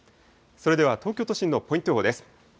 それでは東京都心のポイント予報です。